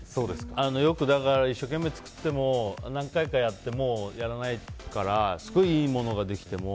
よく一生懸命作っても何回かやって、もうやらないからすごくいいものができても。